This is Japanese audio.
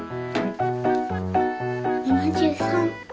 ７３。